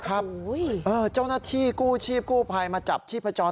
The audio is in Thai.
เจ้าหน้าที่กู้ชีพกู้ภัยมาจับชีพจร